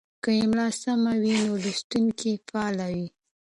که املا سمه وي نو لوستونکی فعاله وي.